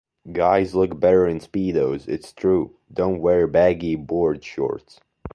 Guys look better in Speedos, it's true! Don't wear baggy board shorts.